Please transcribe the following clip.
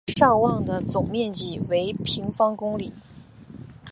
尚旺的总面积为平方公里。